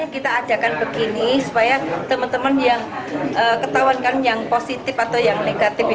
kita ajakkan begini supaya teman teman yang ketahuan kan yang positif atau yang negatif